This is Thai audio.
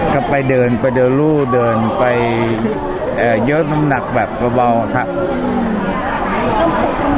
ก็ไปเดินไปเดินรูเดินไปเยอะน้ำหนักแบบเบาครับ